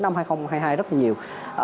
năm hai nghìn hai mươi hai rất là nhiều